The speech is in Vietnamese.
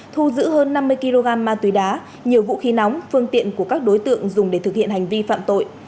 thu giữ hơn năm mươi kg ma túy đá nhiều vũ khí nóng phương tiện của các đối tượng dùng để thực hiện hành vi phạm tội